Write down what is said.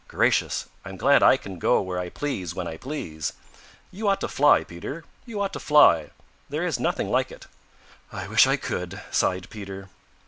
Gracious! I'm glad I can go where I please when I please. You ought to fly, Peter. You ought to fly. There is nothing like it." "I wish I could," sighed Peter.